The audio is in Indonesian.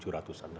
per ini ya